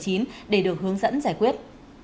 tiếp theo là thông tin